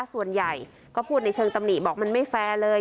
ส่วนใหญ่ก็พูดในเชิงตำหนิบอกมันไม่แฟร์เลย